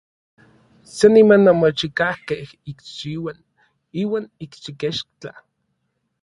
San niman omochikajkej ikxiuan iuan ikxikechtla.